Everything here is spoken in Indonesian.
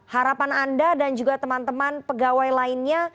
harapan anda dan juga teman teman pegawai lainnya